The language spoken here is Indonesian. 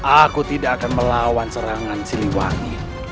aku tidak akan melawan serangan siliwangi